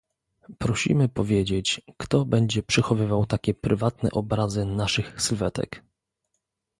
Prosimy powiedzieć, kto będzie przechowywał takie prywatne obrazy naszych sylwetek